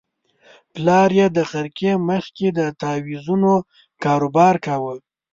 پلار یې د خرقې مخ کې د تاویزونو کاروبار کاوه.